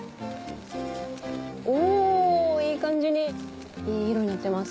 いい感じにいい色になってます。